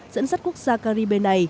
dẫn dắt quốc gia caribe này